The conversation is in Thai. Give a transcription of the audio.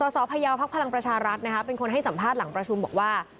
สพยาวพักพลังประชารัฐเป็นคนให้สัมภาษณ์หลังประชุมบอกว่า